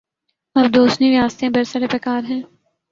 اب دوسنی ریاستیں برسر پیکار ہیں۔